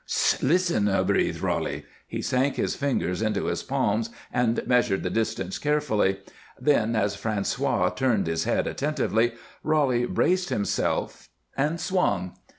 "Sst! Listen," breathed Roly. He sank his fingers into his palms and measured the distance carefully. Then, as François turned his head attentively, Roly braced himself and swung.